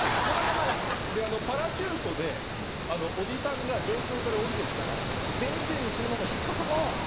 でパラシュートでおじさんが上空から降りて来たら電線にそのまま引っ掛かって。